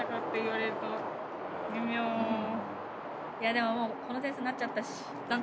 でももうこの点数になっちゃったし。